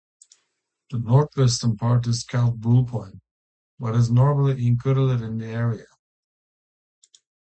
The north-western part is called Bull Point, but is normally included in the area.